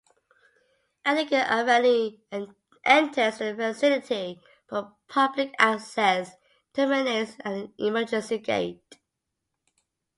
Edinger Avenue enters the facility, but public access terminates at an emergency gate.